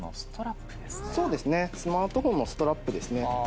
そうですねスマートフォンのストラップですね。